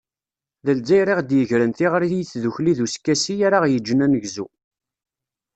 D lezzayer i ɣ-d-yegren tiɣri i tdukli d uskasi ara ɣ-yeǧǧen ad negzu.